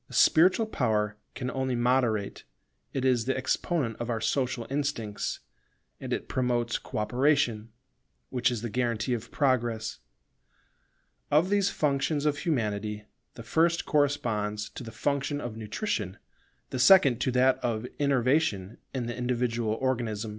The spiritual power can only moderate: it is the exponent of our social instincts, and it promotes co operation, which is the guarantee of Progress. Of these functions of Humanity the first corresponds to the function of nutrition, the second to that of innervation in the individual organism.